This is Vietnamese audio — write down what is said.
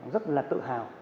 rất là tự hào